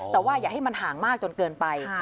แต่ว่าอย่าให้มันห่างมากจนเกินไป